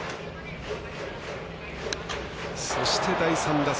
そして、第３打席。